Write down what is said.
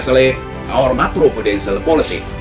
terutama polisi makrobudensial kita